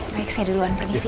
baik saya duluan permisi